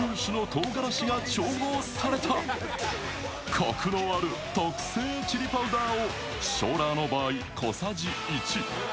こくのある特製チリパウダーを小辣の場合小さじ１。